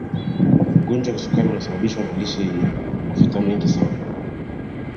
ugonjwa wa kisukari unasababishwa na lishe yenye mafuta mengi